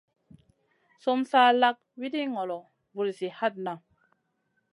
Sumun sa lak wiɗi ŋolo, vulzi hatna.